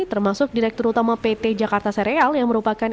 termasuk direktur utama pt jakarta sereal yang merupakan